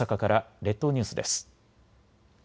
列島ニュースです。